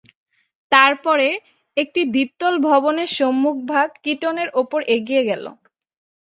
তারপরে, একটি দ্বিতল ভবনের সম্মুখভাগ কিটনের উপর এগিয়ে গেল।